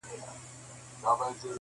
• باک مي نسته بیا که زه هم غرغړه سم ..